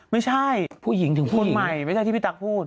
ไม่ใช่คนใหม่ไม่ใช่ที่พี่ตักพูด